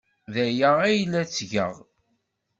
D aya ay la ttgeɣ.